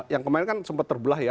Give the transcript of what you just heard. yang kemarin kan sempat terbelah ya